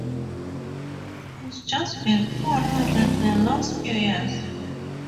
It's just been poorly run the last few years...